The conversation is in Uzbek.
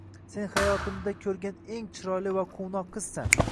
- Sen hayotimda ko'rgan eng chiroyli va quvnoq qizsan!